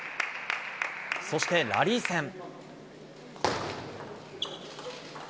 そして、ラリー戦。